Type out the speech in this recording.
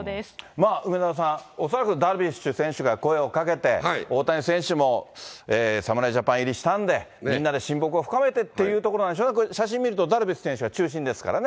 まあ、梅沢さん、恐らくダルビッシュ選手が声をかけて、大谷選手も侍ジャパン入りしたんで、みんなで親睦を深めてっていうところなんでしょうけど、写真見ると、ダルビッシュ選手が中心ですからね。